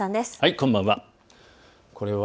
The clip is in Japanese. こんばんは。